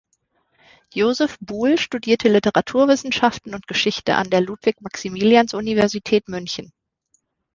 Joseph Buhl studierte Literaturwissenschaften und Geschichte an der Ludwig-Maximilians-Universität München.